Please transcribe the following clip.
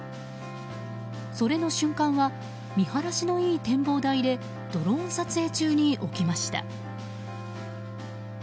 それの瞬間は見晴らしのいい展望台でドローン撮影中に起きました。